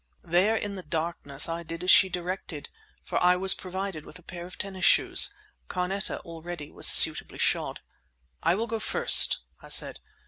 There in the darkness I did as she directed, for I was provided with a pair of tennis shoes. Carneta already was suitably shod. "I will go first," I said.